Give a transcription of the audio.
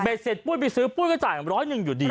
เบนเซ็ตปุ๊มไปซื้อปุ๊มก็จ่ายหมดอยู่ดี